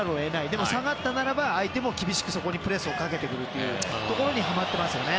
でも、下がったなら相手も厳しくそこにプレスをかけてくるというところにはまっていますよね。